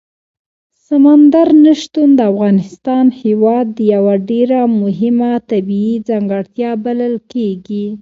سمندر نه شتون د افغانستان هېواد یوه ډېره مهمه طبیعي ځانګړتیا بلل کېږي.